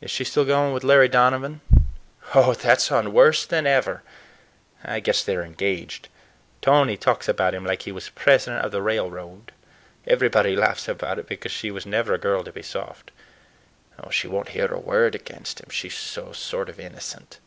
"Is she still going with Larry Donovan?" "Oh, that's on, worse than ever! I guess they're engaged. Tony talks about him like he was president of the railroad. Everybody laughs about it, because she was never a girl to be soft. She won't hear a word against him. She's so sort of innocent."